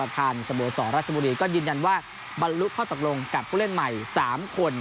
สโมสรราชบุรีก็ยืนยันว่าบรรลุข้อตกลงกับผู้เล่นใหม่๓คน